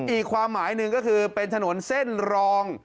อีกความหมายหนึ่งก็คือเป็นถนนเส้นรอง